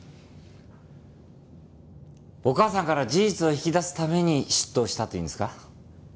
お母さんから事実を引き出すために出頭したというんですか？